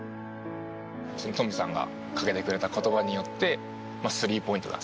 トムさんがかけてくれた言葉によってスリーポイントだ。